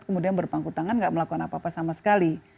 kemudian berpangku tangan gak melakukan apa apa sama sekali